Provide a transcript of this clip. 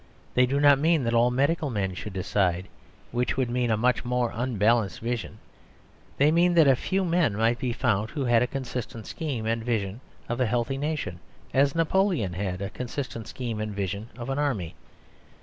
They do not mean that all medical men should decide, which would mean a much more unbalanced balance. They mean that a few men might be found who had a consistent scheme and vision of a healthy nation, as Napoleon had a consistent scheme and vision of an army.